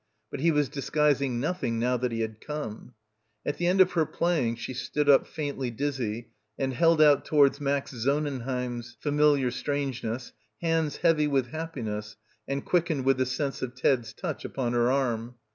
But he was disguising nothing now that he had come. — 60 — BACKWATER At the end of her playing she stood up faintly dizzy, and held out towards Max Sonnenheim's familiar strangeness hands heavy with happiness and quickened with the sense of Ted's touch upon her arm.